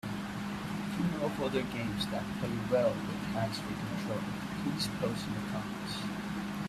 If you know of other games that play well with hands-free control, please post in the comments.